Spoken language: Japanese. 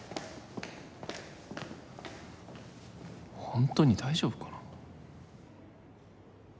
本当に大丈夫かな。